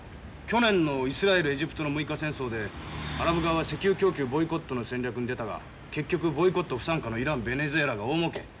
去年のイスラエルエジプトの六日戦争でアラブ側は石油供給ボイコットの戦略に出たが結局ボイコット不参加のイランベネズエラが大もうけ。